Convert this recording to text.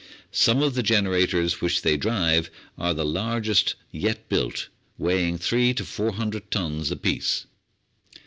Some of the generators which they drive are the largest yet built, weighing 300 400 tons apiece.